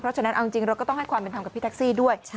เพราะฉะนั้นเอาจริงเราก็ต้องให้ความเป็นธรรมกับพี่แท็กซี่ด้วย